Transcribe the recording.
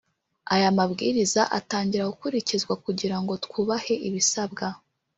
Aya mabwiriza atangira gukurikizwa kugira ngo twubahe ibisabwa